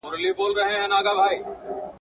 دا زه څومره بېخبره وم له خدایه.